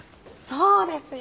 そうですよ。